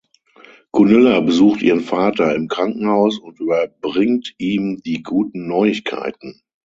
Gunilla besucht ihren Vater im Krankenhaus und überbringt ihm die guten Neuigkeiten.